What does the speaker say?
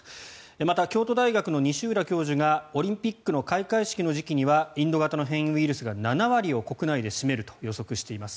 また、京都大学の西浦教授がオリンピックの開会式の時期にはインド型の変異ウイルスが７割を国内で占めると予測しています。